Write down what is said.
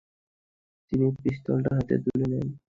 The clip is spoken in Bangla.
তিনি পিস্তলটা হাতে তুলে নেন।